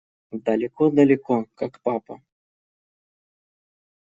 Далеко-далеко, как папа.